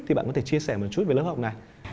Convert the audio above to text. thì bạn có thể chia sẻ một chút về lớp học này